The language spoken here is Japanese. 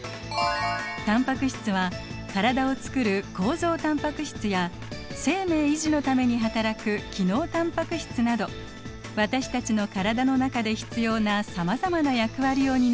タンパク質は体をつくる構造タンパク質や生命維持のために働く機能タンパク質など私たちの体の中で必要なさまざまな役割を担っています。